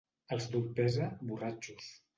Els d'Orpesa, borratxos.